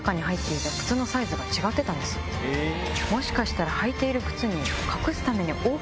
もしかしたら。